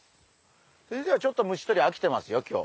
先生はちょっと虫とり飽きてますよ今日。